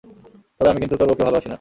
তবে আমি কিন্তু তোর বউকে ভালোবাসি না!